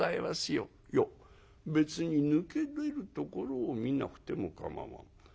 「いや別に抜け出るところを見なくても構わん。